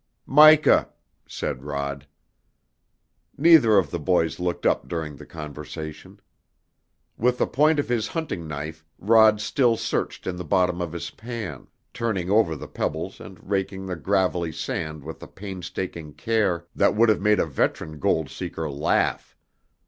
"Mica!" said Rod. Neither of the boys looked up during the conversation. With the point of his hunting knife Rod still searched in the bottom of his pan, turning over the pebbles and raking the gravelly sand with a painstaking care that would have made a veteran gold seeker laugh.